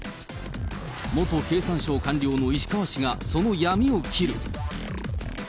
元経産省官僚の石川氏が、その闇を斬る。